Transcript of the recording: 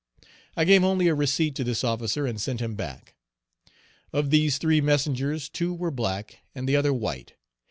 I gave only a receipt to this officer, and sent him back. Of these three messengers two were black and the other white.